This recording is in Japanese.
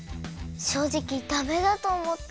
しょうじきダメだとおもった。